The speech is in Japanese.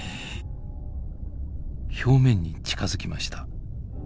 表面に近づきました。